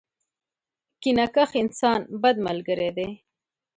کینه کښ انسان ، بد ملګری دی.